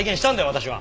私は！